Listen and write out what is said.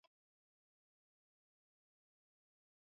wakati uleule maswala ya kijamii kimazingira na kiuchumi